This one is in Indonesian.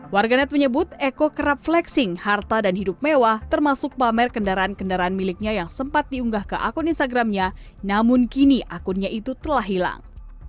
warganet menyebut eko kerap flexing harta dan hidup mewah termasuk pamer kendaraan kendaraan miliknya yang sempat diunggah ke akun instagramnya namun kini akunnya itu telah hilang